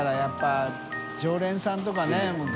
僂常連さんとかね。